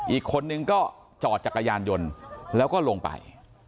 อีกคนนึงก็จอดจักรยานยนต์แล้วก็ลงไป